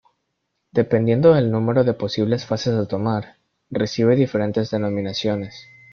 Dependiendo del número de posibles fases a tomar, recibe diferentes denominaciones.